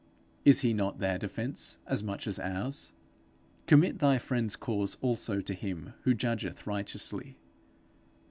is he not their defence as much as ours? Commit thy friend's cause also to him who judgeth righteously.